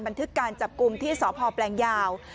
บันทึกการจับกลุ่มที่สพแปลงยาว